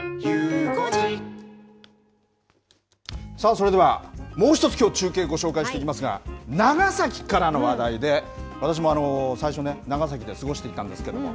それでは、もう１つきょう、中継でご紹介していきますが、長崎からの話題で、私も最初ね、長崎で過ごしていたんですけれども。